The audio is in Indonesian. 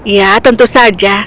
ya tentu saja